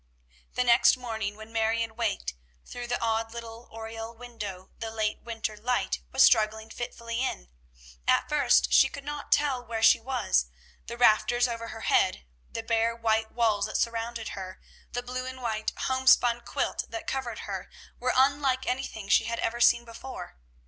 The next morning when Marion waked, through the odd little oriel window the late winter light was struggling fitfully in. At first she could not tell where she was: the rafters over her head, the bare white walls that surrounded her, the blue and white homespun quilt that covered her, were unlike any thing she had ever seen before.